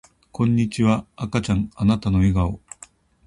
こんにちは赤ちゃんあなたの笑顔